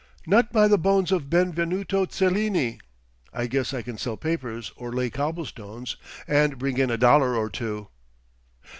Not by the bones of Benvenuto Cellini! I guess I can sell papers or lay cobblestones, and bring in a dollar or two."